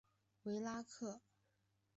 维拉克。